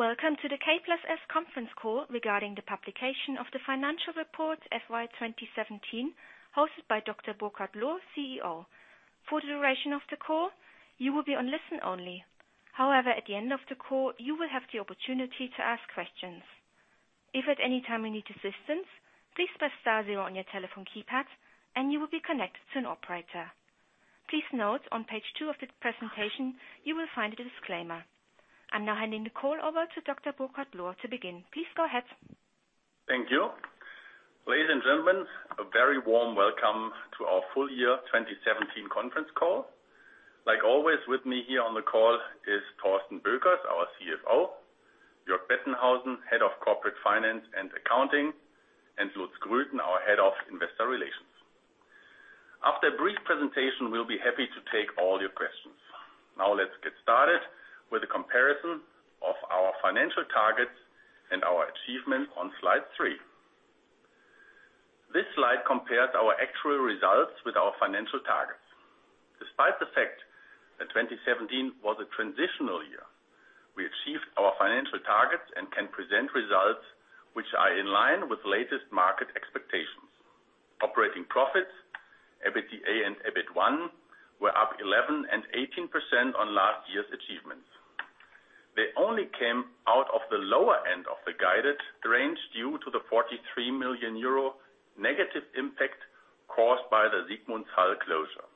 Welcome to the K+S conference call regarding the publication of the financial report FY 2017, hosted by Dr. Burkhard Lohr, CEO. For the duration of the call, you will be on listen only. However, at the end of the call, you will have the opportunity to ask questions. If at any time you need assistance, please press star zero on your telephone keypad, and you will be connected to an operator. Please note, on page two of the presentation, you will find the disclaimer. I'm now handing the call over to Dr. Burkhard Lohr to begin. Please go ahead. Thank you. Ladies and gentlemen, a very warm welcome to our full year 2017 conference call. Like always, with me here on the call is Thorsten Boeckers, our CFO, Jörg Bettenhausen, Head of Corporate Finance and Accounting, and Lutz Grüten, our Head of Investor Relations. After a brief presentation, we'll be happy to take all your questions. Now let's get started with a comparison of our financial targets and our achievements on slide three. This slide compares our actual results with our financial targets. Despite the fact that 2017 was a transitional year, we achieved our financial targets and can present results which are in line with latest market expectations. Operating profits, EBITDA and EBIT1, were up 11% and 18% on last year's achievements. They only came out of the lower end of the guided range due to the 43 million euro negative impact caused by the Sigmundshall closure.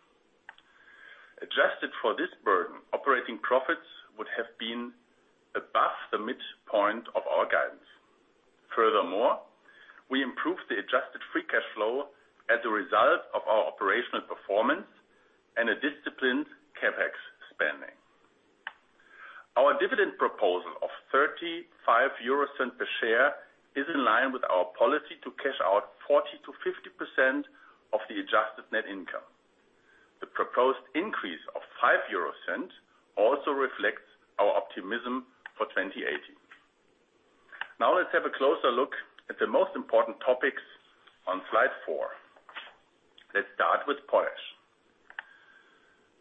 Adjusted for this burden, operating profits would have been above the midpoint of our guidance. Furthermore, we improved the adjusted free cash flow as a result of our operational performance and a disciplined CapEx spending. Our dividend proposal of 0.35 per share is in line with our policy to cash out 40%-50% of the adjusted net income. The proposed increase of 0.05 also reflects our optimism for 2018. Now let's have a closer look at the most important topics on slide four. Let's start with potash.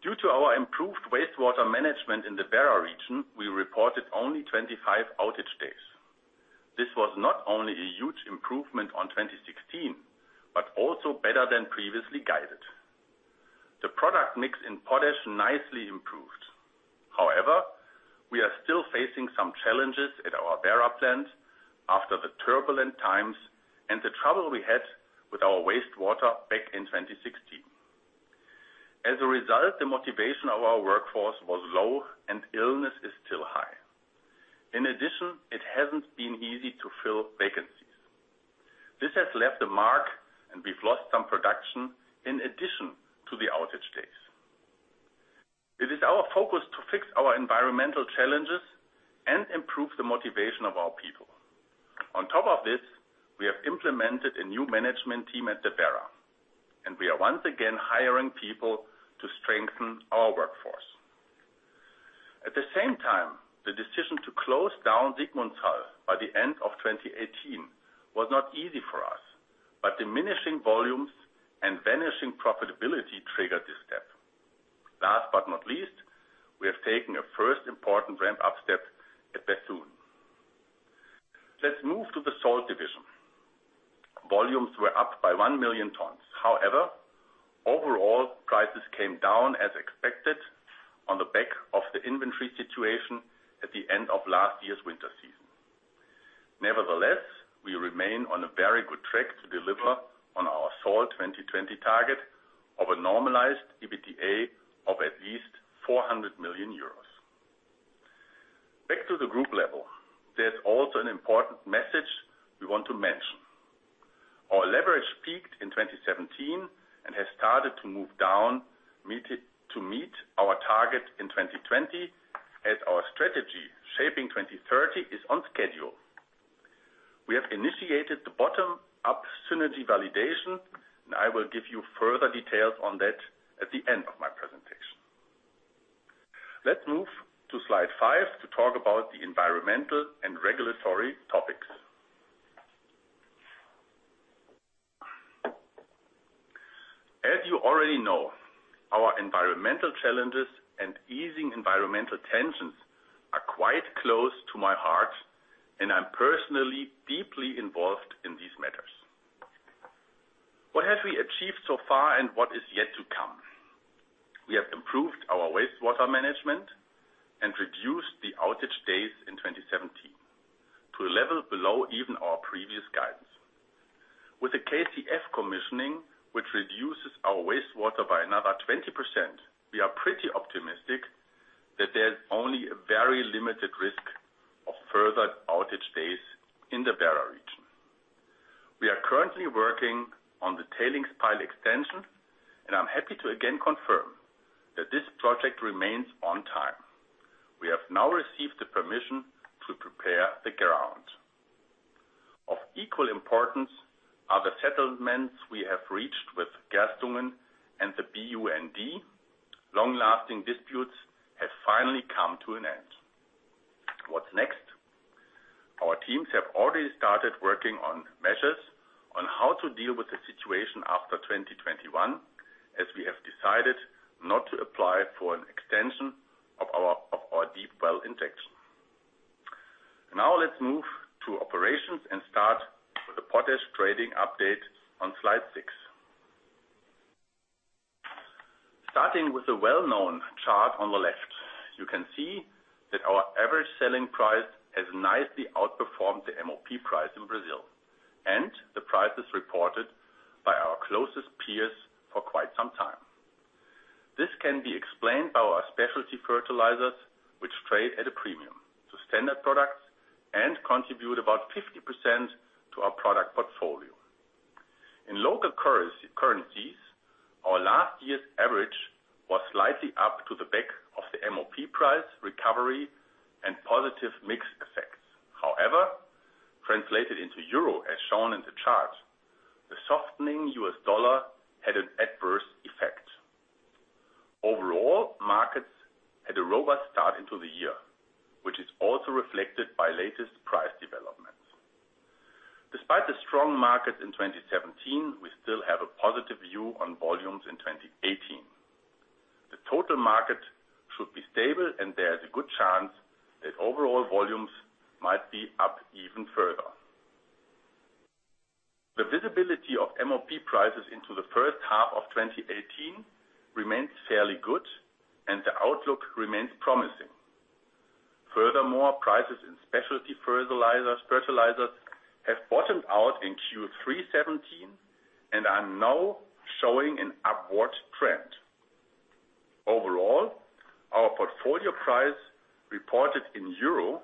Due to our improved wastewater management in the Werra region, we reported only 25 outage days. This was not only a huge improvement on 2016, but also better than previously guided. The product mix in potash nicely improved. However, we are still facing some challenges at our Werra plant after the turbulent times and the trouble we had with our wastewater back in 2016. As a result, the motivation of our workforce was low and illness is still high. In addition, it hasn't been easy to fill vacancies. This has left a mark and we've lost some production in addition to the outage days. It is our focus to fix our environmental challenges and improve the motivation of our people. On top of this, we have implemented a new management team at the Werra, and we are once again hiring people to strengthen our workforce. At the same time, the decision to close down Sigmundshall by the end of 2018 was not easy for us, but diminishing volumes and vanishing profitability triggered this step. Last but not least, we have taken a first important ramp-up step at Bethune. Let's move to the salt division. Volumes were up by 1 million tons. Overall prices came down as expected on the back of the inventory situation at the end of last year's winter season. We remain on a very good track to deliver on our Salt 2020 target of a normalized EBITDA of at least 400 million euros. Back to the group level. There's also an important message we want to mention. Our leverage peaked in 2017 and has started to move down to meet our target in 2020 as our strategy, Shaping 2030, is on schedule. We have initiated the bottom-up synergy validation, and I will give you further details on that at the end of my presentation. Let's move to slide five to talk about the environmental and regulatory topics. As you already know, our environmental challenges and easing environmental tensions are quite close to my heart, and I'm personally deeply involved in these matters. What have we achieved so far and what is yet to come? We have improved our wastewater management and reduced the outage days in 2017 to a level below even our previous guidance. With the KCF commissioning, which reduces our wastewater by another 20%, we are pretty optimistic that there's only a very limited risk of further outage days in the Werra region. We are currently working on the tailings pile extension, and I'm happy to again confirm that this project remains on time. We have now received the permission to prepare the ground. Of equal importance are the settlements we have reached with Gerstungen and the BUND. Long-lasting disputes have finally come to an end. What's next? Our teams have already started working on measures on how to deal with the situation after 2021, as we have decided not to apply for an extension of our deep well injection. Now let's move to operations and start with the potash trading update on slide six. Starting with the well-known chart on the left, you can see that our average selling price has nicely outperformed the MOP price in Brazil, and the prices reported by our closest peers for quite some time. This can be explained by our specialty fertilizers, which trade at a premium to standard products and contribute about 50% to our product portfolio. In local currencies, our last year's average was slightly up to the back of the MOP price recovery and positive mix effects. Translated into EUR, as shown in the chart, the softening U.S. dollar had an adverse effect. Markets had a robust start into the year, which is also reflected by latest price developments. Despite the strong market in 2017, we still have a positive view on volumes in 2018. The total market should be stable, and there is a good chance that overall volumes might be up even further. The visibility of MOP prices into the first half of 2018 remains fairly good, and the outlook remains promising. Prices in specialty fertilizers have bottomed out in Q3 2017 and are now showing an upward trend. Our portfolio price reported in EUR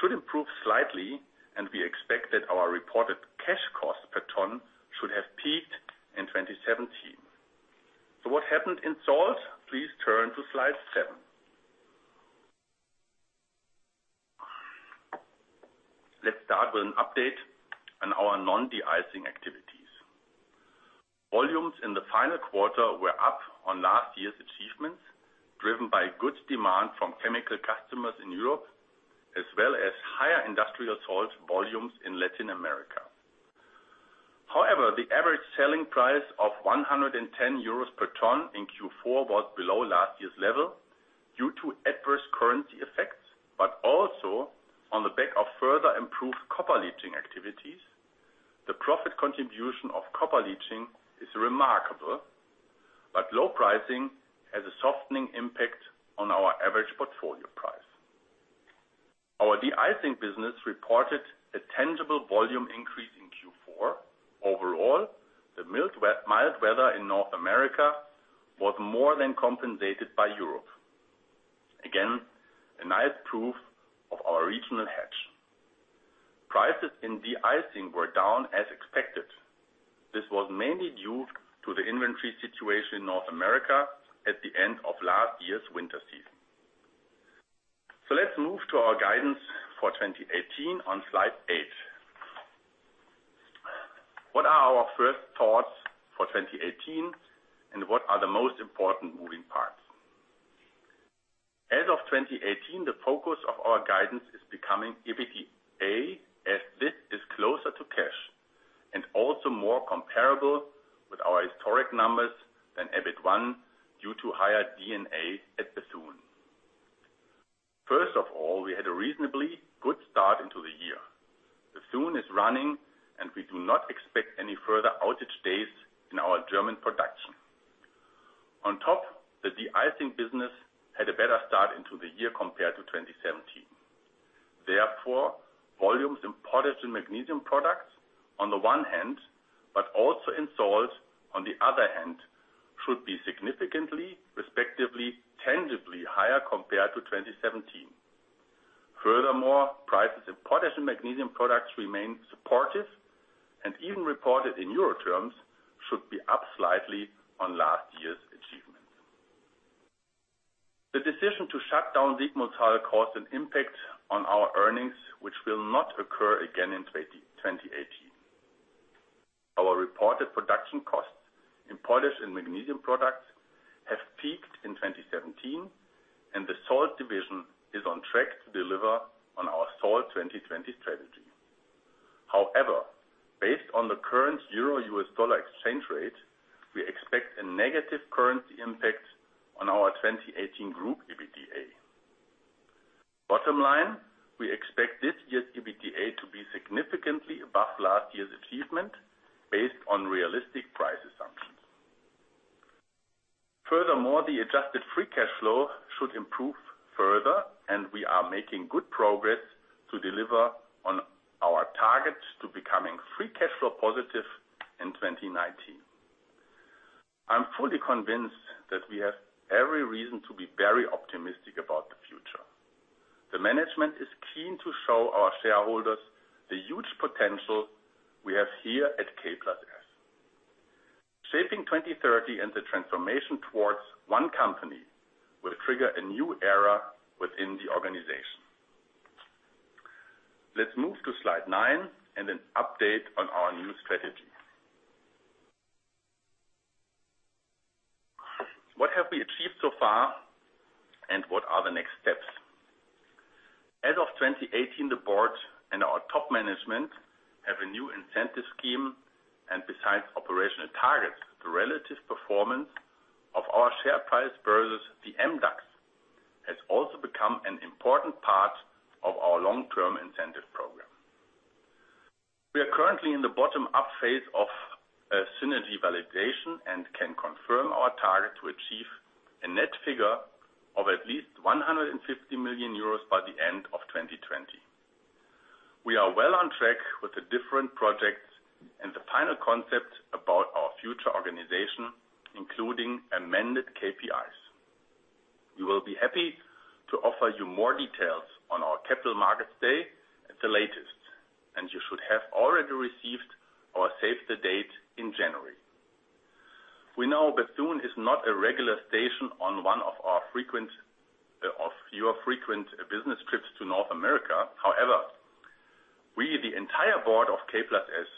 should improve slightly, and we expect that our reported cash cost per ton should have peaked in 2017. What happened in salt? Please turn to slide seven. Let's start with an update on our non-de-icing activities. Volumes in the final quarter were up on last year's achievements, driven by good demand from chemical customers in Europe, as well as higher industrial salt volumes in Latin America. The average selling price of 110 euros per ton in Q4 was below last year's level due to adverse currency effects, but also on the back of further improved copper leaching activities. The profit contribution of copper leaching is remarkable, but low pricing has a softening impact on our average portfolio price. Our de-icing business reported a tangible volume increase in Q4. Overall, the mild weather in North America was more than compensated by Europe. Again, a nice proof of our regional hedge. Prices in de-icing were down as expected. This was mainly due to the inventory situation in North America at the end of last year's winter season. Let's move to our guidance for 2018 on slide eight. What are our first thoughts for 2018, and what are the most important moving parts? As of 2018, the focus of our guidance is becoming EBITDA, as this is closer to cash, and also more comparable with our historic numbers than EBIT1 due to higher D&A at Bethune. First of all, we had a reasonably good start into the year. Bethune is running, and we do not expect any further outage days in our German production. On top, the de-icing business had a better start into the year compared to 2017. Therefore, volumes in potash and magnesium products on the one hand, but also in salt on the other hand, should be significantly, respectively, tangibly higher compared to 2017. Furthermore, prices of potash and magnesium products remain supportive, and even reported in euro terms, should be up slightly on last year's achievements. The decision to shut down Sigmundshall caused an impact on our earnings, which will not occur again in 2018. Our reported production costs in potash and magnesium products have peaked in 2017, and the salt division is on track to deliver on our Salt 2020 strategy. Based on the current euro-US dollar exchange rate, we expect a negative currency impact on our 2018 group EBITDA. Bottom line, we expect this year's EBITDA to be significantly above last year's achievement based on realistic price assumptions. Furthermore, the adjusted free cash flow should improve further, and we are making good progress to deliver on our target to becoming free cash flow positive in 2019. I am fully convinced that we have every reason to be very optimistic about the future. The management is keen to show our shareholders the huge potential we have here at K+S. Shaping 2030 and the transformation towards one company will trigger a new era within the organization. Let's move to slide nine, and an update on our new strategy. What have we achieved so far, and what are the next steps? As of 2018, the board and our top management have a new incentive scheme, and besides operational targets, the relative performance of our share price versus the MDAX has also become an important part of our long-term incentive program. We are currently in the bottom-up phase of a synergy validation and can confirm our target to achieve a net figure of at least 150 million euros by the end of 2020. We are well on track with the different projects and the final concept about our future organization, including amended KPIs. We will be happy to offer you more details on our Capital Markets Day at the latest, and you should have already received our save-the-date in January. We know Bethune is not a regular station on one of your frequent business trips to North America. However, we, the entire board of K+S,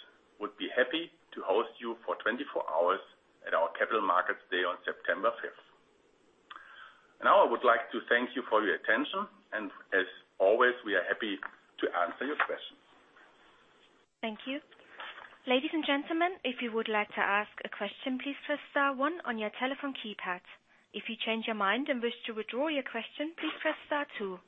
would be happy to host you for 24 hours at our Capital Markets Day on September 5th. Now I would like to thank you for your attention, and as always, we are happy to answer your questions. Thank you. Ladies and gentlemen, if you would like to ask a question, please press star one on your telephone keypad. If you change your mind and wish to withdraw your question, please press star two.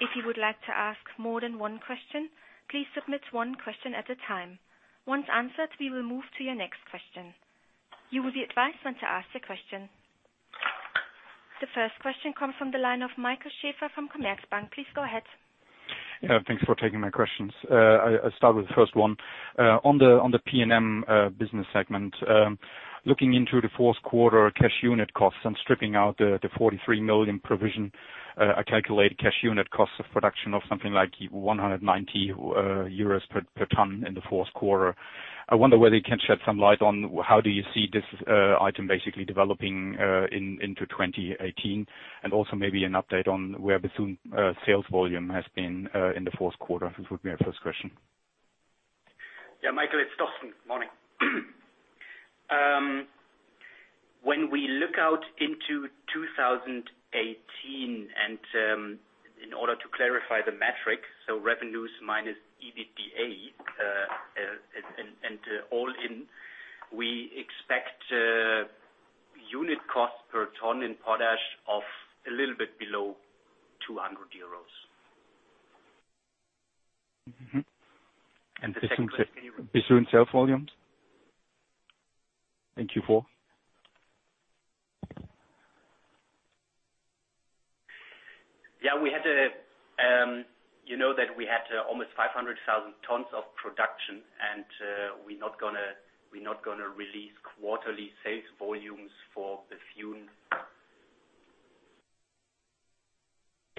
If you would like to ask more than one question, please submit one question at a time. Once answered, we will move to your next question. You will be advised when to ask your question. The first question comes from the line of Michael Schaefer from Commerzbank. Please go ahead. Yeah, thanks for taking my questions. I start with the first one. On the P&M business segment, looking into the fourth quarter cash unit costs and stripping out the 43 million provision, I calculate cash unit costs of production of something like 190 euros per ton in the fourth quarter. I wonder whether you can shed some light on how do you see this item basically developing into 2018? Also maybe an update on where Bethune sales volume has been in the fourth quarter would be my first question. Yeah, Michael, it's Thorsten. Morning. When we look out into 2018 in order to clarify the metric, revenues minus EBITDA, all in, we expect unit cost per ton in potash of a little bit below 200 euros. Mm-hmm. Bethune sales volumes? Yeah, you know that we had almost 500,000 tons of production, we're not gonna release quarterly sales volumes for Bethune.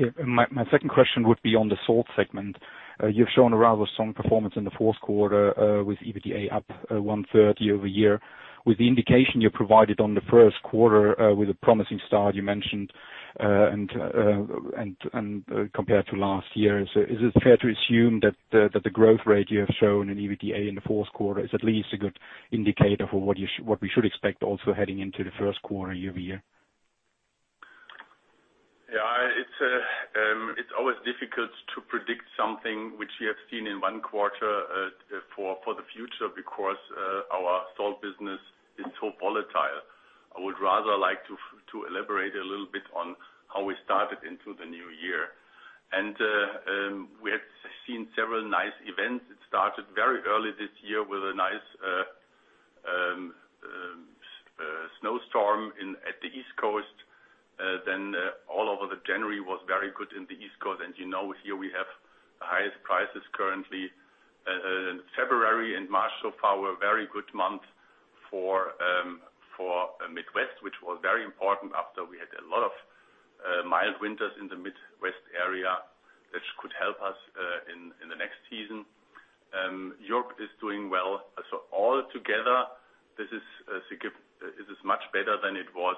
Okay. My second question would be on the salt segment. You've shown a rather strong performance in the fourth quarter, with EBITDA up one-third year-over-year. With the indication you provided on the first quarter, with a promising start you mentioned, compared to last year, is it fair to assume that the growth rate you have shown in EBITDA in the fourth quarter is at least a good indicator for what we should expect also heading into the first quarter year-over-year? Yeah, it's always difficult to predict something which we have seen in one quarter for the future because our salt business is so volatile. I would rather like to elaborate a little bit on how we started into the new year. We have seen several nice events. It started very early this year with a nice snow storm at the East Coast. Then all over January was very good in the East Coast, and you know here we have the highest prices currently. February and March so far were very good months for Midwest, which was very important after we had a lot of mild winters in the Midwest area. That could help us in the next season. Europe is doing well. All together, this is much better than it was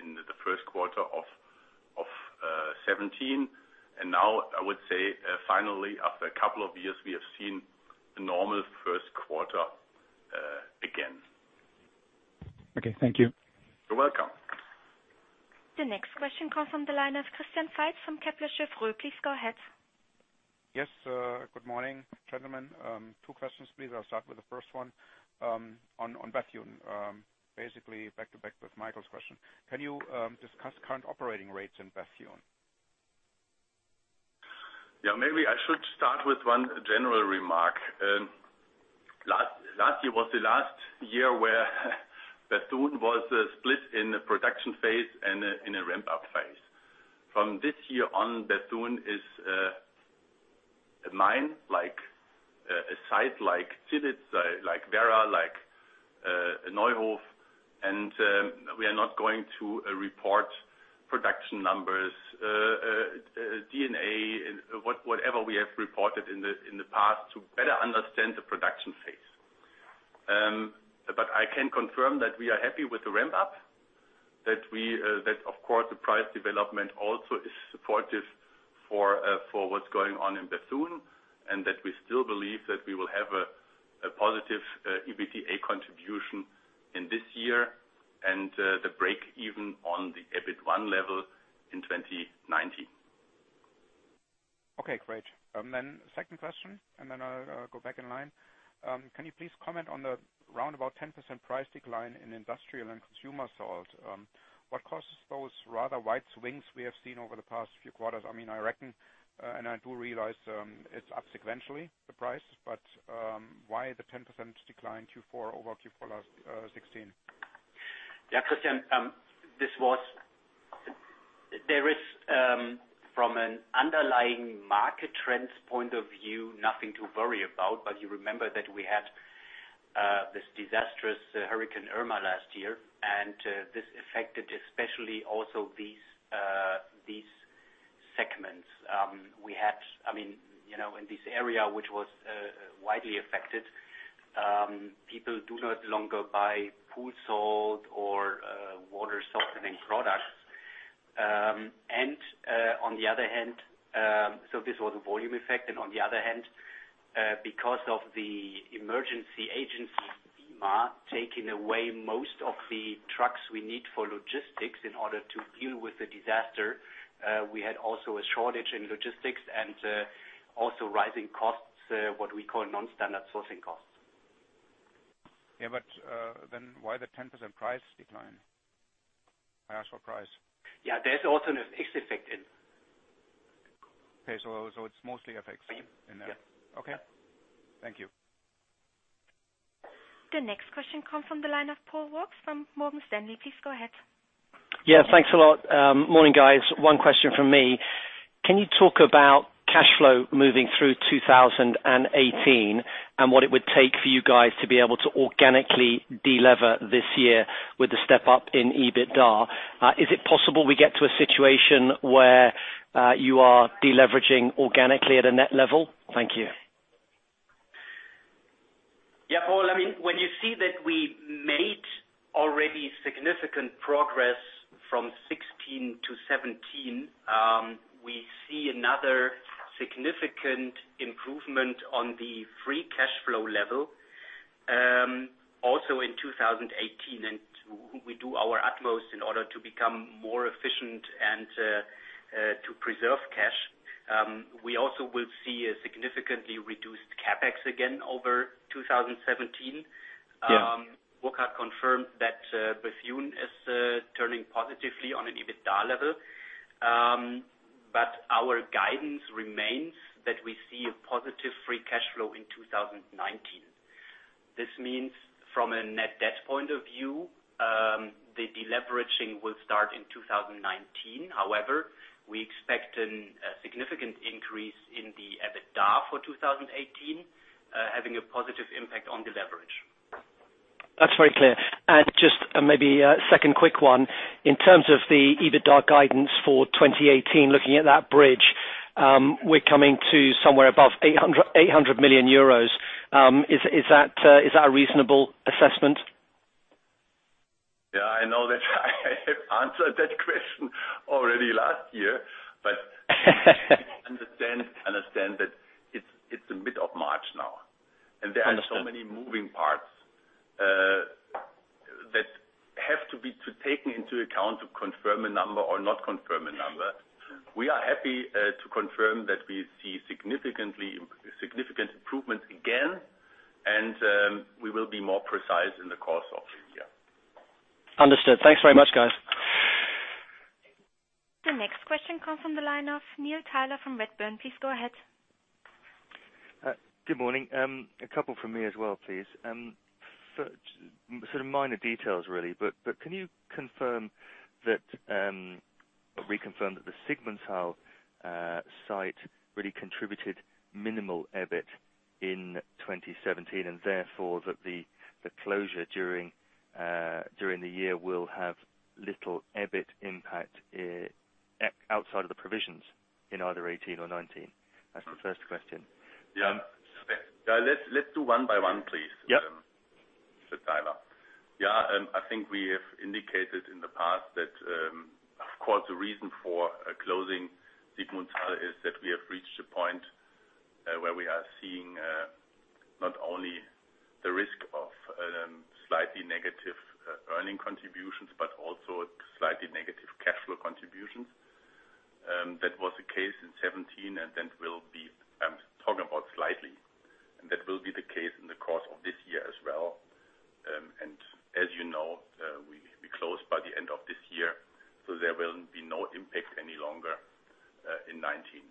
in the first quarter of 2017. Now I would say finally, after a couple of years, we have seen a normal first quarter again. Okay, thank you. You're welcome. The next question comes from the line of Christian Faitz from Kepler Cheuvreux. Please go ahead. Yes, good morning, gentlemen. Two questions, please. I'll start with the first one. On Bethune, basically back to back with Michael's question. Can you discuss current operating rates in Bethune? Maybe I should start with one general remark. Last year was the last year where Bethune was split in a production phase and in a ramp-up phase. From this year on, Bethune is a mine, a site like Zielitz, like Werra, like Neuhof, and we are not going to report production numbers, D&A, whatever we have reported in the past to better understand the production phase. I can confirm that we are happy with the ramp-up, that of course, the price development also is supportive for what's going on in Bethune, and that we still believe that we will have a positive EBITDA contribution in this year, and the break even on the EBIT1 level in 2019. Okay, great. Second question, and then I'll go back in line. Can you please comment on the roundabout 10% price decline in industrial and consumer sales? What causes those rather wide swings we have seen over the past few quarters? I reckon, and I do realize it's up sequentially, the price, but why the 10% decline Q4 over Q4 last 2016? Christian, there is, from an underlying market trends point of view, nothing to worry about. You remember that we had this disastrous Hurricane Irma last year, and this affected especially also these segments. In this area, which was widely affected, people do no longer buy pool salt or water softening products. This was a volume effect and on the other hand, because of the emergency agency, FEMA, taking away most of the trucks we need for logistics in order to deal with the disaster, we had also a shortage in logistics and, also rising costs, what we call non-standard sourcing costs. Why the 10% price decline? I asked for price. There is also an FX effect in. It is mostly FX in there. Yeah. Thank you. The next question comes from the line of Paul Walsh from Morgan Stanley. Please go ahead. Yeah, thanks a lot. Morning, guys. One question from me. Can you talk about cash flow moving through 2018 and what it would take for you guys to be able to organically de-lever this year with the step up in EBITDA? Is it possible we get to a situation where you are de-leveraging organically at a net level? Thank you. Yeah, Paul, when you see that we made already significant progress from 2016 to 2017, we see another significant improvement on the free cash flow level, also in 2018. We do our utmost in order to become more efficient and to preserve cash. We also will see a significantly reduced CapEx again over 2017. Yeah. Burkhard confirmed that Bethune is turning positively on an EBITDA level. Our guidance remains that we see a positive free cash flow in 2019. This means, from a net debt point of view, the de-leveraging will start in 2019. However, we expect a significant increase in the EBITDA for 2018, having a positive impact on de-leverage. That's very clear. Just maybe a second quick one. In terms of the EBITDA guidance for 2018, looking at that bridge, we're coming to somewhere above 800 million euros. Is that a reasonable assessment? Yeah, I know that I have answered that question already last year. Understand that it's the mid of March now. Understood. There are so many moving parts that have to be taken into account to confirm a number or not confirm a number. We are happy to confirm that we see significant improvements again, we will be more precise in the course of the year. Understood. Thanks very much, guys. The next question comes from the line of Neil Tyler from Redburn. Please go ahead. Good morning. A couple from me as well, please. Sort of minor details, really. Can you reconfirm that the Sigmundshall site really contributed minimal EBIT in 2017, and therefore that the closure during the year will have little EBIT impact outside of the provisions in either 2018 or 2019? That's the first question. Yeah. Let's do one by one, please. Yep Mr. Tyler. Yeah. I think we have indicated in the past that, of course, the reason for closing Sigmundshall is that we have reached a point where we are seeing not only the risk of slightly negative earning contributions, but also slightly negative cash flow contributions. That was the case in 2017, I'm talking about slightly, and that will be the case in the course of this year as well. As you know, we close by the end of this year, so there will be no impact any longer in 2019.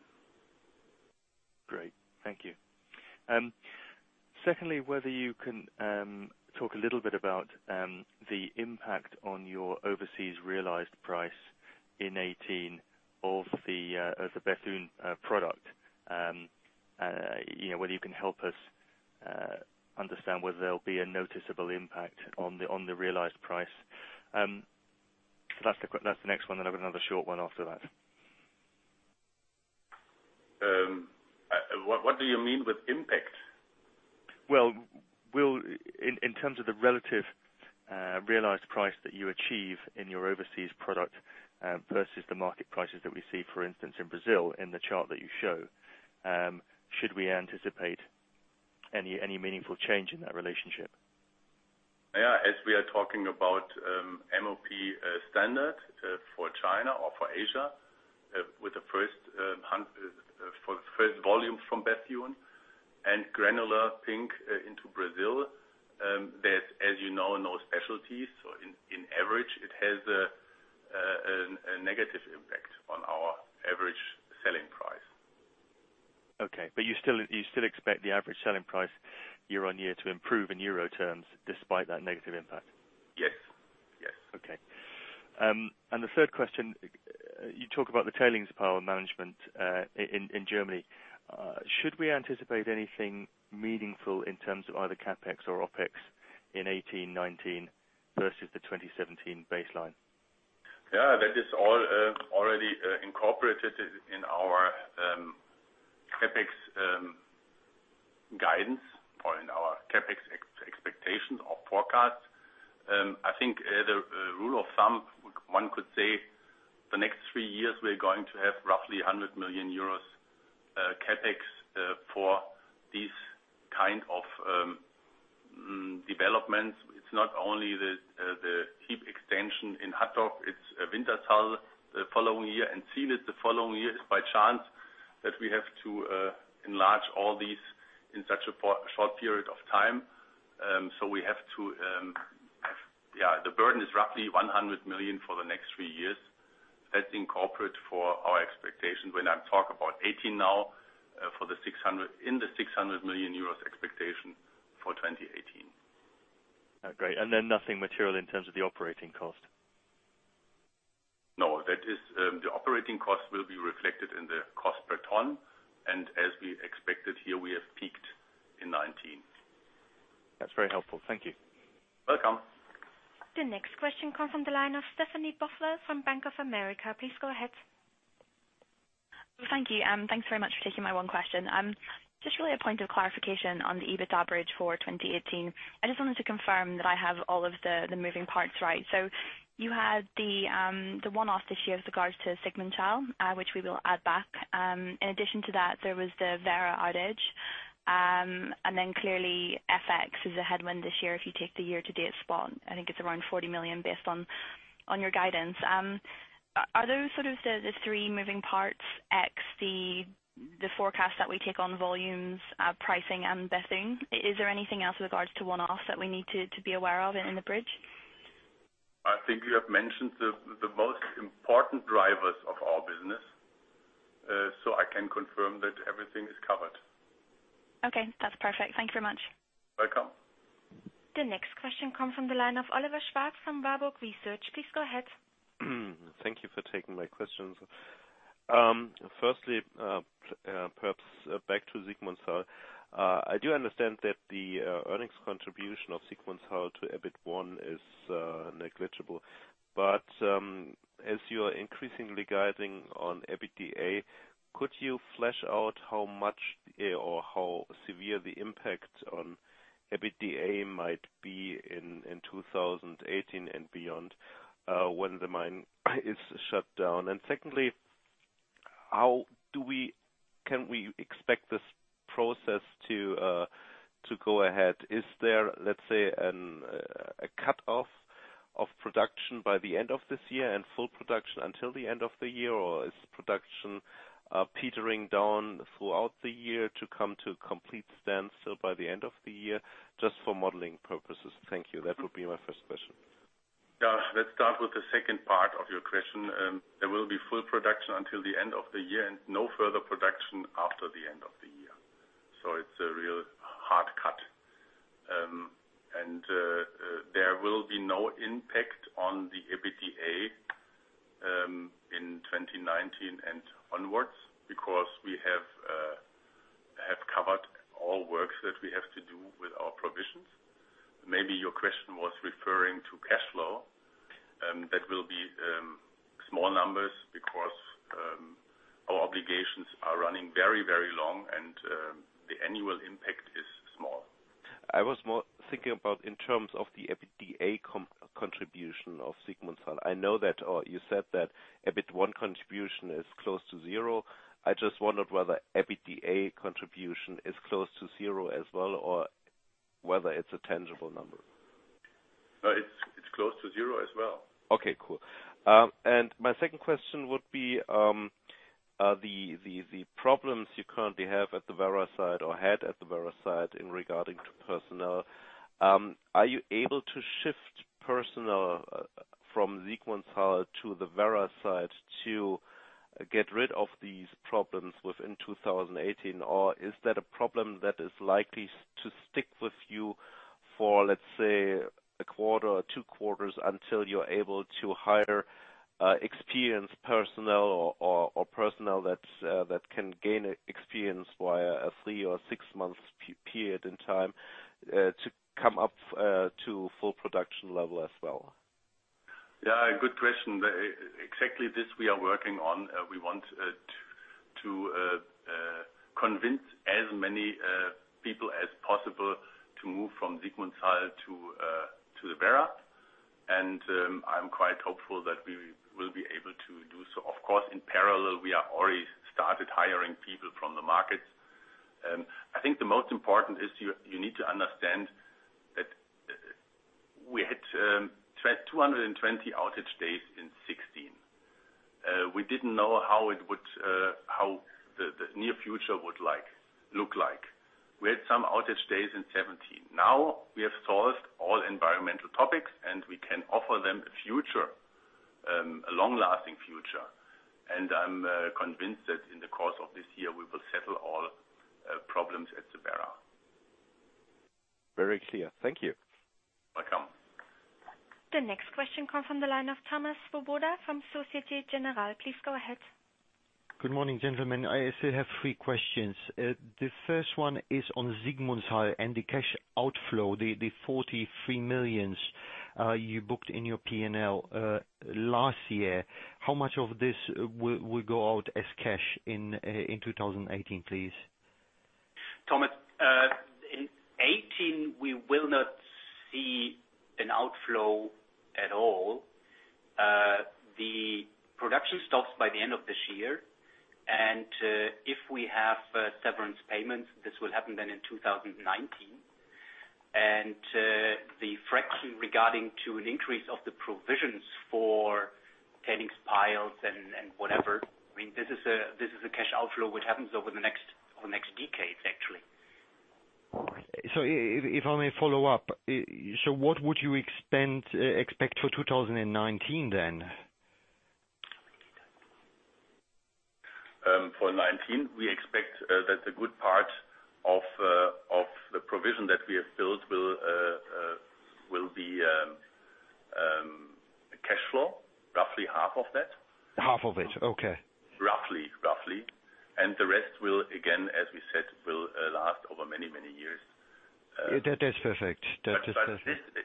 Secondly, whether you can talk a little bit about the impact on your overseas realized price in 2018 of the Bethune product. Whether you can help us understand whether there will be a noticeable impact on the realized price. That's the next one, then I've got another short one after that. What do you mean with impact? Well, in terms of the relative realized price that you achieve in your overseas product versus the market prices that we see, for instance, in Brazil, in the chart that you show, should we anticipate any meaningful change in that relationship? Yeah. As we are talking about MOP standard for China or for Asia with the first volume from Bethune and granular pink into Brazil, there's, as you know, no specialties. On average, it has a negative impact on our average selling price. Okay. You still expect the average selling price year-on-year to improve in EUR terms despite that negative impact? Yes. Okay. The third question, you talk about the tailings pile management in Germany. Should we anticipate anything meaningful in terms of either CapEx or OpEx in 2018, 2019 versus the 2017 baseline? Yeah. That is all already incorporated in our CapEx guidance or in our CapEx expectations or forecasts. I think the rule of thumb, one could say the next three years, we are going to have roughly 100 million euros CapEx, for these kind of developments. It's not only the heap extension in Hattorf, it's Wintershall the following year and Zielitz the following year. It is by chance that we have to enlarge all these in such a short period of time. The burden is roughly 100 million for the next three years. That's incorporate for our expectation when I talk about 2018 now, in the 600 million euros expectation for 2018. Great. Nothing material in terms of the operating cost? No. The operating cost will be reflected in the cost per ton. As we expected, here we have peaked in 2017. That's very helpful. Thank you. Welcome. The next question comes from the line of Stephanie Bothwell from Bank of America. Please go ahead. Thank you. Thanks very much for taking my one question. Just really a point of clarification on the EBITDA bridge for 2018. I just wanted to confirm that I have all of the moving parts right. You had the one-off this year with regards to Sigmundshall, which we will add back. In addition to that, there was the Werra outage. Clearly FX is a headwind this year if you take the year to date spot, I think it's around 40 million based on your guidance. Are those sort of the three moving parts, X, the forecast that we take on volumes, pricing, and Bethune? Is there anything else with regards to one-offs that we need to be aware of in the bridge? I think you have mentioned the most important drivers of our business, so I can confirm that everything is covered. Okay. That's perfect. Thank you very much. Welcome. The next question come from the line of Oliver Schwarz from Warburg Research. Please go ahead. Thank you for taking my questions. Firstly, perhaps back to Sigmundshall. I do understand that the earnings contribution of Sigmundshall to EBIT1 is negligible. as you are increasingly guiding on EBITDA, could you flesh out how much or how severe the impact on EBITDA might be in 2018 and beyond, when the mine is shut down? Secondly, can we expect this process to go ahead? Is there, let's say, a cutoff of production by the end of this year and full production until the end of the year, or is production petering down throughout the year to come to a complete standstill by the end of the year? Just for modeling purposes. Thank you. That would be my first question. Let's start with the second part of your question. There will be full production until the end of the year and no further production after the end of the year. It's a real hard cut. There will be no impact on the EBITDA in 2019 and onwards because we have covered all works that we have to do with our provisions. Maybe your question was referring to cash flow. That will be small numbers because our obligations are running very long and the annual impact is small. I was more thinking about in terms of the EBITDA contribution of Sigmundshall. I know that you said that EBIT1 contribution is close to zero. I just wondered whether EBITDA contribution is close to zero as well, or whether it's a tangible number. It's close to zero as well. Okay, cool. My second question would be, the problems you currently have at the Werra site, or had at the Werra site in regarding to personnel, are you able to shift personnel from Sigmundshall to the Werra site to get rid of these problems within 2018? Or is that a problem that is likely to stick with you for, let's say, a quarter or two quarters until you're able to hire experienced personnel or personnel that can gain experience via a three or six months period in time, to come up to full production level as well? Yeah, good question. Exactly this we are working on. We want to convince as many people as possible to move from Sigmundshall to the Werra. I'm quite hopeful that we will be able to do so. Of course, in parallel, we have already started hiring people from the markets. I think the most important is you need to understand that we had 220 outage days in 2016. We didn't know how the near future would look like. We had some outage days in 2017. Now we have solved all environmental topics, and we can offer them a long-lasting future. I'm convinced that in the course of this year, we will settle all problems at the Werra. Very clear. Thank you. Welcome. The next question come from the line of Thomas Swoboda from Societe Generale. Please go ahead. Good morning, gentlemen. I still have three questions. The first one is on Sigmundshall and the cash outflow, the 43 million you booked in your P&L last year. How much of this will go out as cash in 2018, please? Thomas, in 2018, we will not see an outflow at all. The production stops by the end of this year. If we have severance payments, this will happen in 2019. The fraction regarding to an increase of the provisions for tailings piles and whatever, this is a cash outflow which happens over the next decade, actually. If I may follow up, so what would you expect for 2019 then? For 2019, we expect that a good part of the provision that we have built will be cash flow, roughly half of that. Half of it, okay. Roughly. The rest will, again, as we said, will last over many, many years. That is perfect. This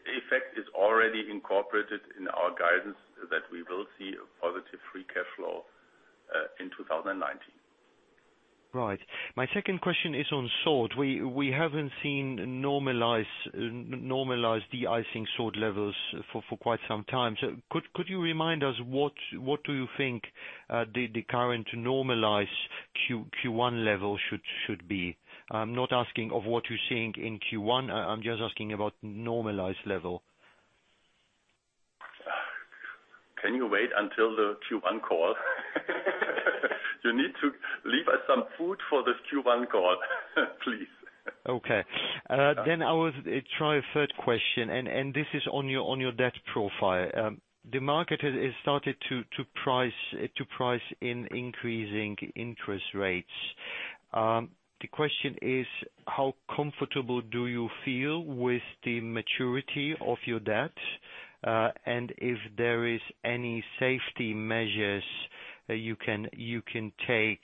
effect is already incorporated in our guidance that we will see a positive free cash flow in 2019. Right. My second question is on salt. We haven't seen normalized de-icing salt levels for quite some time. Could you remind us what do you think the current normalized Q1 level should be? I'm not asking of what you're seeing in Q1. I'm just asking about normalized level. Can you wait until the Q1 call? You need to leave us some food for the Q1 call, please. Okay. I will try a third question, and this is on your debt profile. The market has started to price in increasing interest rates. The question is, how comfortable do you feel with the maturity of your debt? If there is any safety measures you can take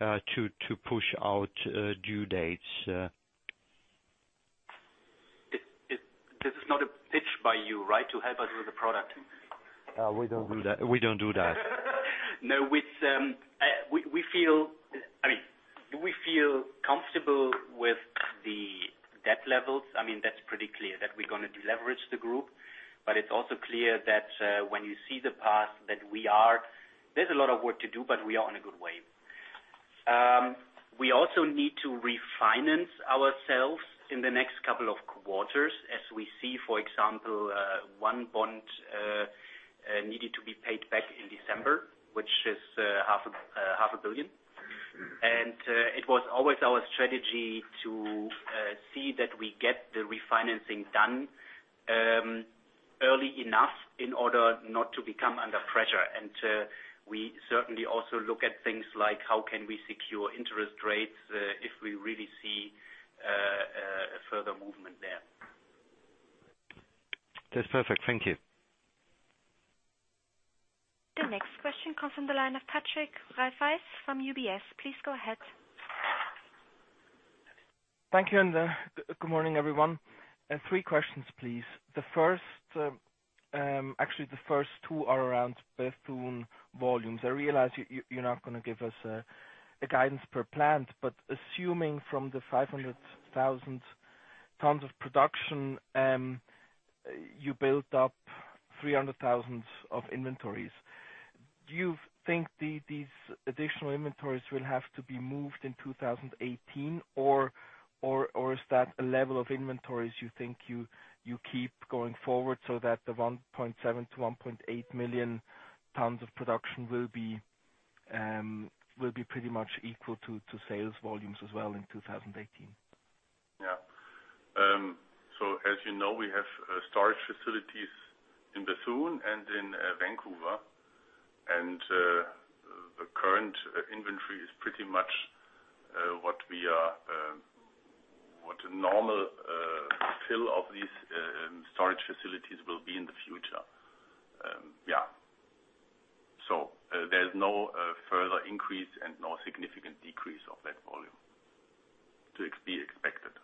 to push out due dates? This is not a pitch by you, right? To help us with a product. We don't do that. We feel comfortable with the debt levels. That's pretty clear that we're going to deleverage the group, but it's also clear that when you see the path, there's a lot of work to do, but we are on a good way. We also need to refinance ourselves in the next couple of quarters as we see, for example, one bond needed to be paid back in December, which is half a billion. It was always our strategy to see that we get the refinancing done early enough in order not to become under pressure. We certainly also look at things like how can we secure interest rates if we really see a further movement there. That's perfect. Thank you. The next question comes from the line of Patrick Rafaisz from UBS. Please go ahead. Thank you, good morning, everyone. Three questions, please. Actually, the first two are around Bethune volumes. I realize you're not going to give us a guidance per plant, but assuming from the 500,000 tons of production, you built up 300,000 of inventories. Do you think these additional inventories will have to be moved in 2018, or is that a level of inventories you think you keep going forward so that the 1.7 million-1.8 million tons of production will be pretty much equal to sales volumes as well in 2018? Yeah. As you know, we have storage facilities in Bethune and in Vancouver. The current inventory is pretty much what a normal fill of these storage facilities will be in the future. Yeah. There is no further increase and no significant decrease of that volume to be expected.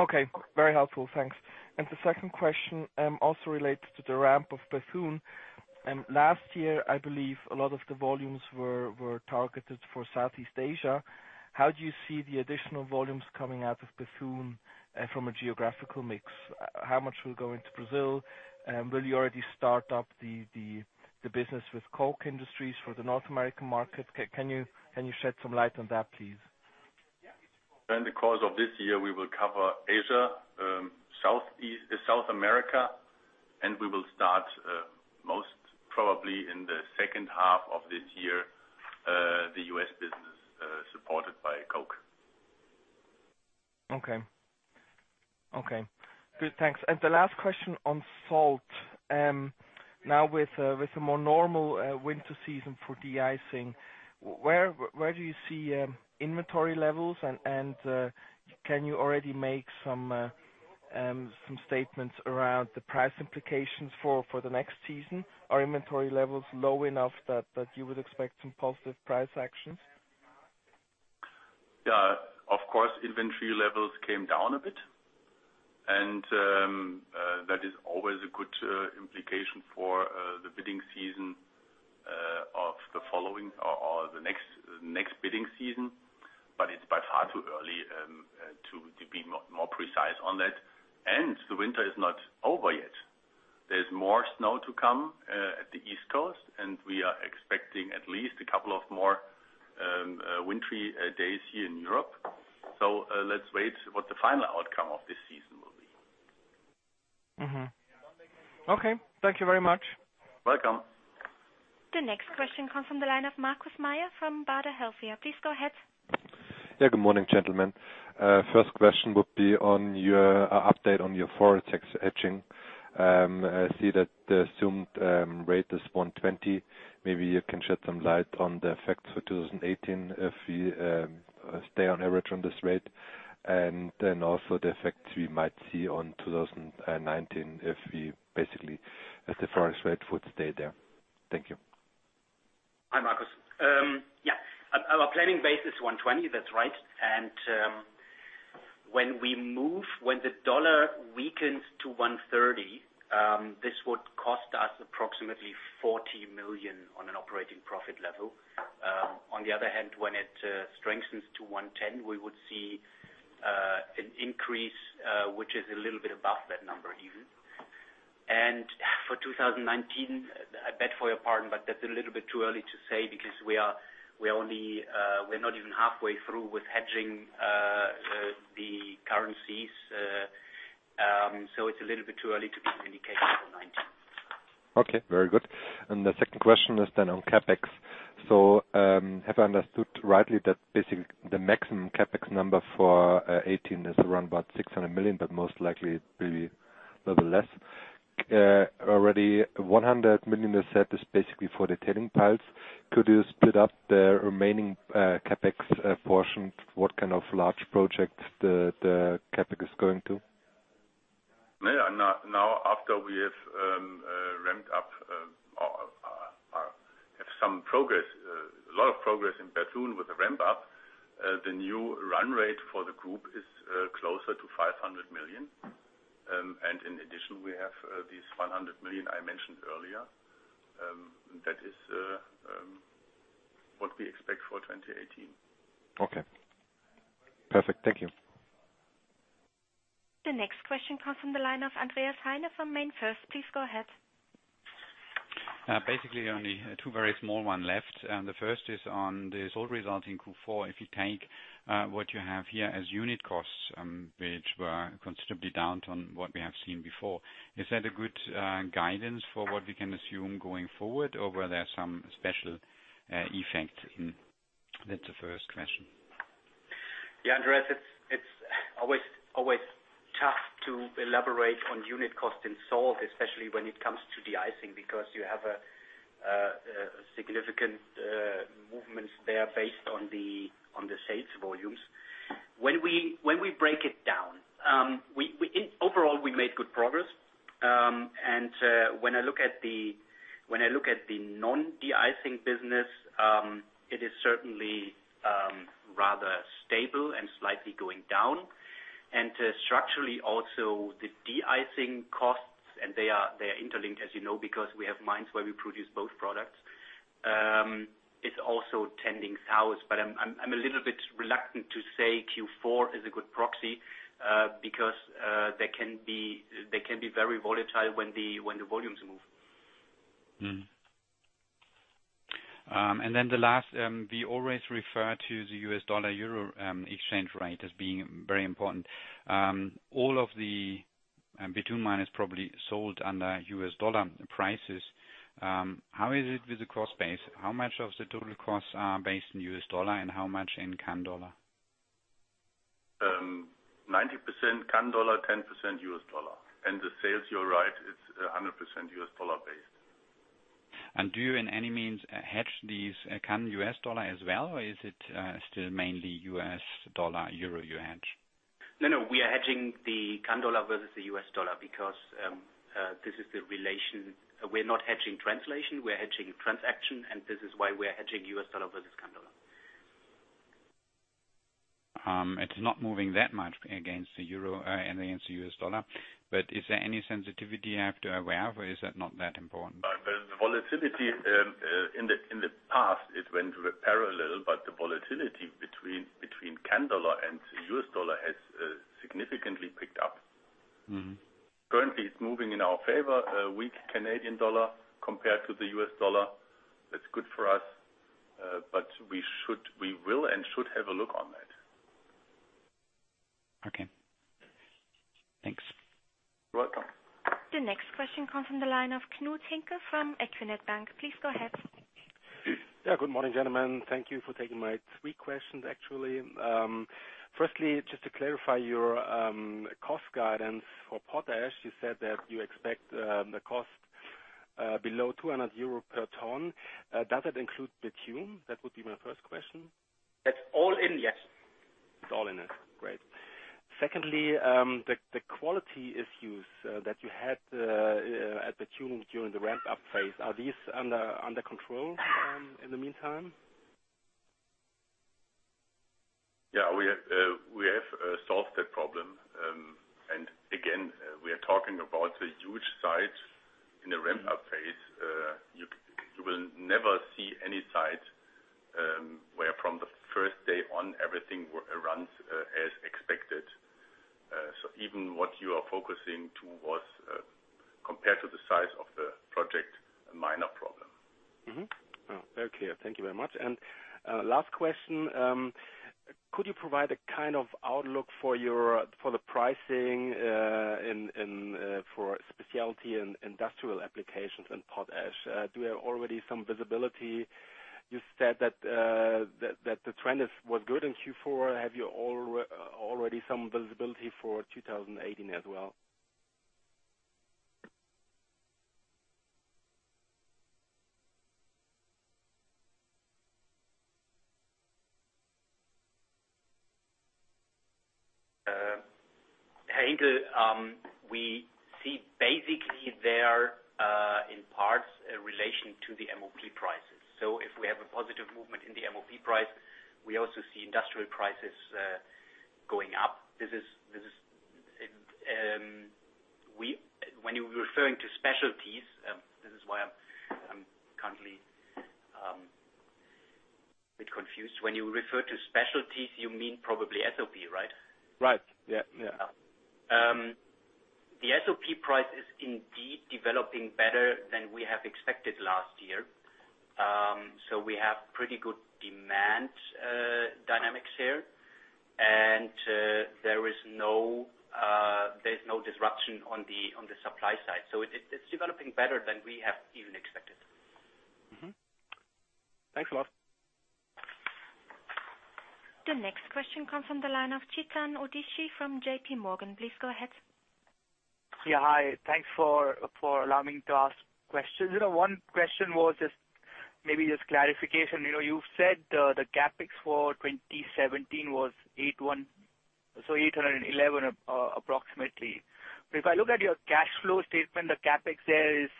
Okay. Very helpful. Thanks. The second question, also relates to the ramp-up of Bethune. Last year, I believe a lot of the volumes were targeted for Southeast Asia. How do you see the additional volumes coming out of Bethune from a geographical mix? How much will go into Brazil? Will you already start up the business with Koch Industries for the North American market? Can you shed some light on that, please? Yeah. In the course of this year, we will cover Asia, South America, we will start, most probably in the second half of this year, the U.S. business, supported by Koch. Okay. Good. Thanks. The last question on salt. Now with a more normal winter season for de-icing, where do you see inventory levels and can you already make some statements around the price implications for the next season? Are inventory levels low enough that you would expect some positive price actions? Yeah. Of course, inventory levels came down a bit that is always a good implication for the bidding season of the following or the next bidding season. It's by far too early to be more precise on that. The winter is not over yet. There's more snow to come at the East Coast, we are expecting at least a couple of more wintry days here in Europe. Let's wait what the final outcome of this season will be. Mm-hmm. Okay. Thank you very much. Welcome. The next question comes from the line of Markus Mayer from Baader Helvea. Please go ahead. Yeah. Good morning, gentlemen. First question would be on your update on your foreign tax hedging. I see that the assumed rate is 1.20. Maybe you can shed some light on the effects for 2018 if we stay on average on this rate. Also the effects we might see on 2019 if basically the foreign rate would stay there. Thank you. Hi, Markus. Yeah. Our planning base is 1.20. That's right. When the dollar weakens to 1.30, this would cost us approximately $40 million on an operating profit level. On the other hand, when it strengthens to 1.10, we would see an increase, which is a little bit above that number even. For 2019, I beg for your pardon, that's a little bit too early to say because we're not even halfway through with hedging the currencies. It's a little bit too early to give an indication for 2019. Okay. Very good. The second question is on CapEx. Have I understood rightly that basically the maximum CapEx number for 2018 is around about 600 million, most likely it will be a little less? Already 100 million you said is basically for the tailing piles. Could you split up the remaining CapEx portion? What kind of large project the CapEx is going to? Now, after we have some progress, a lot of progress in Bethune with the ramp up, the new run rate for the group is closer to 500 million. In addition, we have this 100 million I mentioned earlier. That is what we expect for 2018. Okay. Perfect. Thank you. The next question comes from the line of Andreas Heine from MainFirst. Please go ahead. Basically only two very small one left. The first is on the salt results in Q4. If you take what you have here as unit costs, which were considerably down from what we have seen before. Is that a good guidance for what we can assume going forward, or were there some special effects in? That's the first question. Yeah, Andreas, it's always tough to elaborate on unit cost in salt, especially when it comes to de-icing, because you have significant movements there based on the sales volumes. When we break it down, overall we made good progress. When I look at the non-de-icing business, it is certainly rather stable and slightly going down. Structurally also, the de-icing costs, and they are interlinked, as you know, because we have mines where we produce both products. It's also tending south, but I'm a little bit reluctant to say Q4 is a good proxy, because they can be very volatile when the volumes move. Then the last, we always refer to the U.S. dollar, EUR exchange rate as being very important. All of the Bethune mine is probably sold under U.S. dollar prices. How is it with the cost base? How much of the total costs are based in U.S. dollar and how much in Canadian dollar? 90% Canadian dollar, 10% U.S. dollar. The sales, you're right, it's 100% U.S. dollar based. Do you in any means hedge these Canadian dollar, U.S. dollar as well, or is it still mainly U.S. dollar, EUR you hedge? No, we are hedging the Candollar versus the U.S. dollar because this is the relation. We are not hedging translation, we are hedging transaction, this is why we are hedging U.S. dollar versus Candollar. It's not moving that much against the euro and against the US dollar. Is there any sensitivity you have to aware of, or is that not that important? The volatility in the past, it went parallel, but the volatility between Canadian dollar and US dollar has significantly picked up. Currently, it's moving in our favor, a weak Canadian dollar compared to the US dollar. That's good for us. We will and should have a look on that. Okay. Thanks. You're welcome. The next question comes from the line of Knut Henke from equinet Bank. Please go ahead. Yeah, good morning, gentlemen. Thank you for taking my three questions, actually. Firstly, just to clarify your cost guidance for potash. You said that you expect the cost below 200 euro per ton. Does it include Bethune? That would be my first question. It's all in, yes. It's all in it. Great. Secondly, the quality issues that you had, at Bethune during the ramp-up phase. Are these under control in the meantime? Yeah, we have solved that problem. Again, we are talking about a huge site in the ramp-up phase. You will never see any site, where from the first day on everything runs as expected. Even what you are focusing to was, compared to the size of the project, a minor problem. Oh, very clear. Thank you very much. Last question. Could you provide a kind of outlook for the pricing, for specialty and industrial applications in potash? Do you have already some visibility? You said that the trend was good in Q4. Have you already some visibility for 2018 as well? Hey, Henke. We see basically there, in parts, a relation to the MOP prices. If we have a positive movement in the MOP price, we also see industrial prices going up. When you're referring to specialties, this is why I'm currently a bit confused. When you refer to specialties, you mean probably SOP, right? Right. Yeah. The SOP price is indeed developing better than we have expected last year. We have pretty good demand dynamics here. There's no disruption on the supply side. It's developing better than we have even expected. Thanks a lot. The next question comes from the line of Chetan Udeshi from JP Morgan. Please go ahead. Yeah, hi. Thanks for allowing to ask questions. One question was clarification. You've said the CapEx for 2017 was 811 approximately. If I look at your cash flow statement, the CapEx there is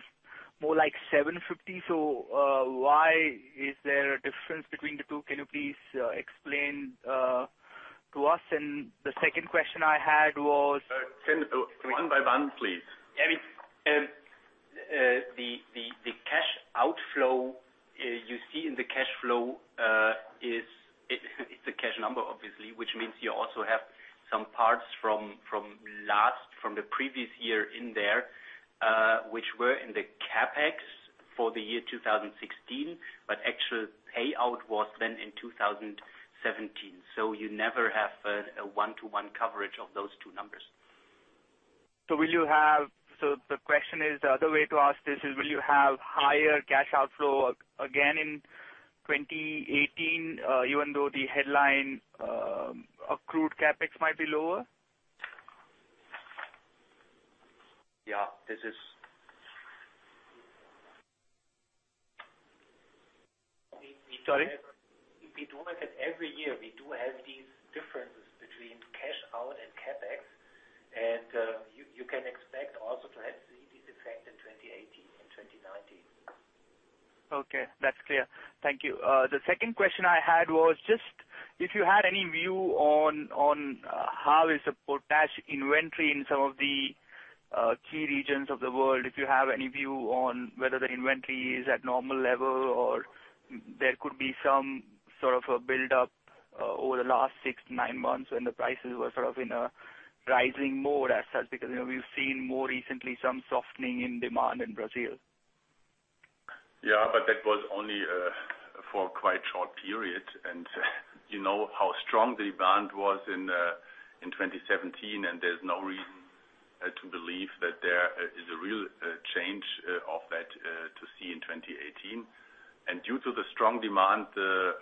more like 750. Why is there a difference between the two? Can you please explain to us? The second question I had was- One by one, please. The cash outflow you see in the cash flow, it's a cash number, obviously, which means you also have some parts from the previous year in there, which were in the CapEx for the year 2016, but actual payout was then in 2017. You never have a one-to-one coverage of those two numbers. The question is, the other way to ask this is, will you have higher cash outflow again in 2018, even though the headline accrued CapEx might be lower? Yeah. Sorry? If we do look at every year, we do have these differences between cash out and CapEx. You can expect also to have the same effect in 2018 and 2019. Okay. That's clear. Thank you. The second question I had was just if you had any view on how is the potash inventory in some of the key regions of the world, if you have any view on whether the inventory is at normal level or there could be some sort of a build-up over the last six to nine months when the prices were sort of in a rising mode as such, because we've seen more recently some softening in demand in Brazil. Yeah, that was only for a quite short period. You know how strong the demand was in 2017, there's no reason to believe that there is a real change of that to see in 2018. Due to the strong demand, the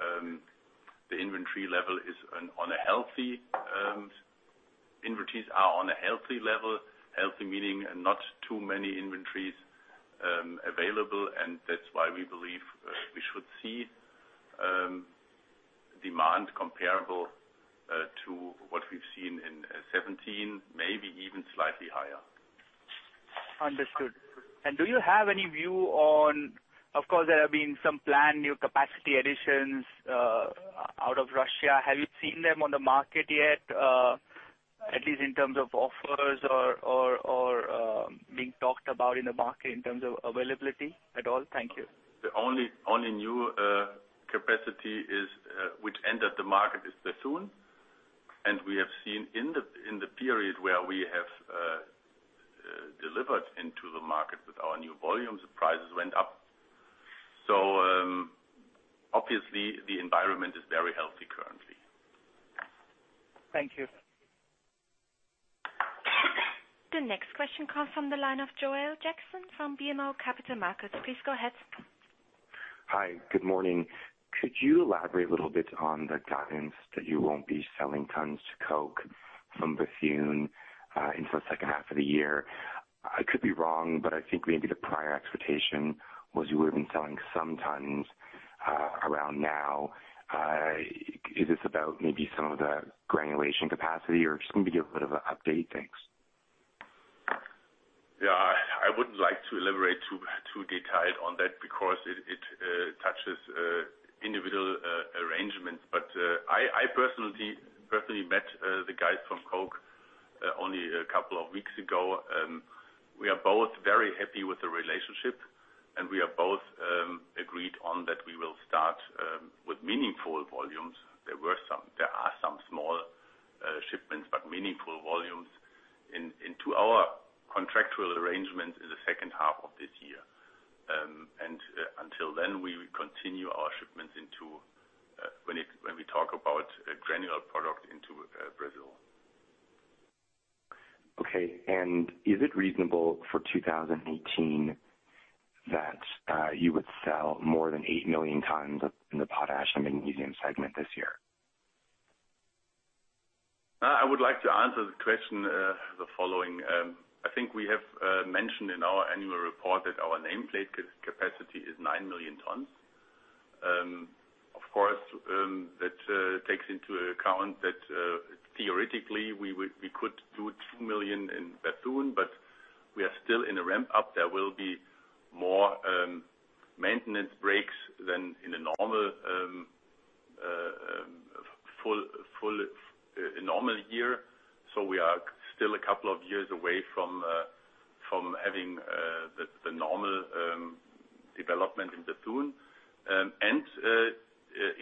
inventories are on a healthy level, healthy meaning not too many inventories available, that's why we believe we should see demand comparable to what we've seen in 2017, maybe even slightly higher. Understood. Do you have any view on, of course, there have been some planned new capacity additions out of Russia. Have you seen them on the market yet, at least in terms of offers or being talked about in the market in terms of availability at all? Thank you. The only new capacity which entered the market is Bethune. We have seen in the period where we have delivered into the market with our new volumes, the prices went up. Obviously, the environment is very healthy currently. Thank you. The next question comes from the line of Joel Jackson from BMO Capital Markets. Please go ahead. Hi. Good morning. Could you elaborate a little bit on the guidance that you won't be selling tons to Koch from Bethune, into the second half of the year? I could be wrong, but I think maybe the prior expectation was you would've been selling some tons around now. Is this about maybe some of the granulation capacity, or just maybe a bit of an update? Thanks. Yeah. I wouldn't like to elaborate too detailed on that because it touches individual arrangements. I personally met the guys from Koch only a couple of weeks ago, and we are both very happy with the relationship, and we are both agreed on that we will start with meaningful volumes. There are some small shipments, but meaningful volumes into our contractual arrangement in the second half of this year. Until then, we will continue our shipments into, when we talk about a granular product into Brazil. Okay. Is it reasonable for 2018 that you would sell more than 8 million tons in the Potash and Magnesium Segment this year? I would like to answer the question as the following. I think we have mentioned in our annual report that our nameplate capacity is 9 million tons. Of course, that takes into account that theoretically we could do 2 million in Bethune, but we are still in a ramp-up. There will be more maintenance breaks than in a normal year. We are still a couple of years away from having the normal development in Bethune.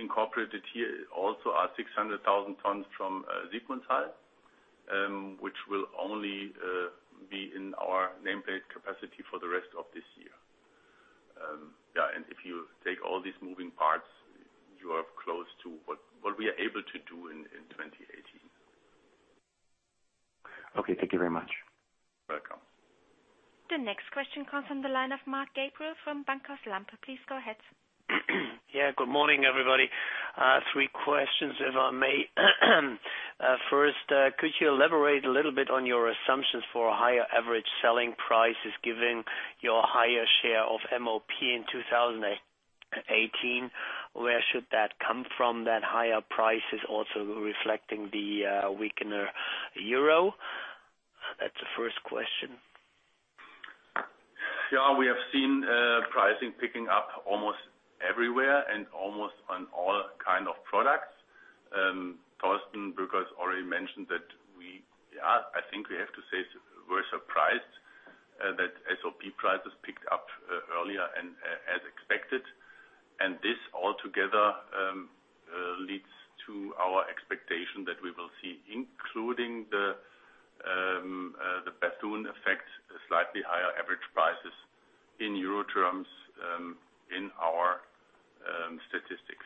Incorporated here also are 600,000 tons from Sigmundshall, which will only be in our nameplate capacity for the rest of this year. Yeah, if you take all these moving parts, you are close to what we are able to do in 2018. Okay. Thank you very much. Welcome. The next question comes from the line of Marc Gabriel from Bankhaus Lampe. Please go ahead. Good morning, everybody. Three questions, if I may. First, could you elaborate a little bit on your assumptions for higher average selling prices, given your higher share of MOP in 2018? Where should that come from, that higher prices also reflecting the weakener euro? That's the first question. We have seen pricing picking up almost everywhere and almost on all kind of products. Thorsten Boeckers already mentioned that I think we have to say we're surprised that SOP prices picked up earlier and as expected. This all together leads to our expectation that we will see, including the Bethune effect, slightly higher average prices in euro terms in our statistics.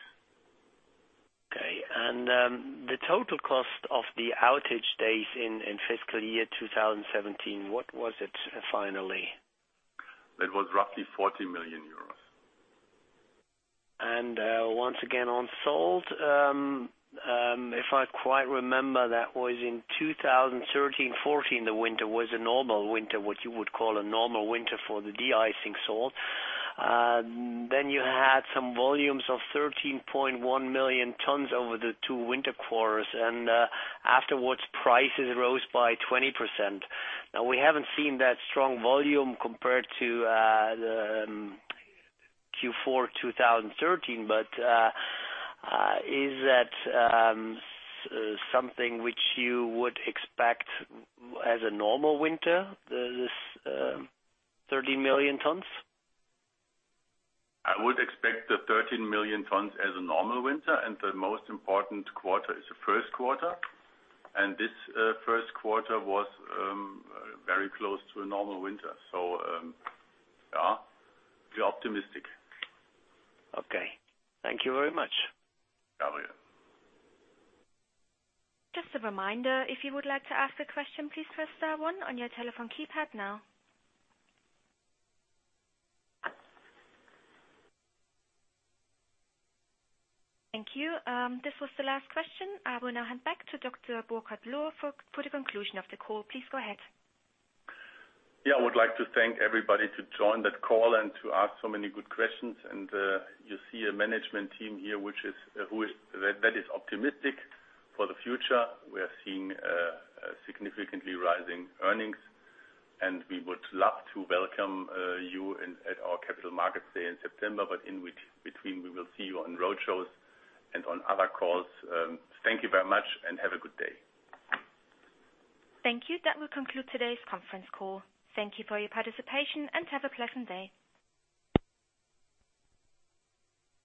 The total cost of the outage days in fiscal year 2017, what was it finally? It was roughly 40 million euros. Once again on salt, if I quite remember, that was in 2013/2014, the winter was a normal winter, what you would call a normal winter for the de-icing salt. You had some volumes of 13.1 million tons over the two winter quarters, prices rose by 20%. We haven't seen that strong volume compared to Q4 2013. Is that something which you would expect as a normal winter, this 13 million tons? I would expect the 13 million tons as a normal winter. The most important quarter is the first quarter. This first quarter was very close to a normal winter. Yeah, we're optimistic. Okay. Thank you very much. W. Just a reminder, if you would like to ask a question, please press star one on your telephone keypad now. Thank you. This was the last question. I will now hand back to Dr. Burkhard Lohr for the conclusion of the call. Please go ahead. I would like to thank everybody to join that call and to ask so many good questions. You see a management team here that is optimistic for the future. We are seeing significantly rising earnings, we would love to welcome you at our Capital Markets Day in September, in between, we will see you on roadshows and on other calls. Thank you very much, have a good day. Thank you. That will conclude today's conference call. Thank you for your participation and have a pleasant day.